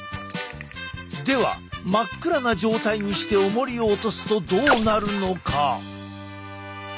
では真っ暗な状態にしておもりを落とすとどうなるのか？